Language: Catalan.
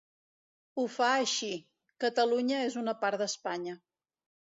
Ho fa així: Catalunya és una part d’Espanya.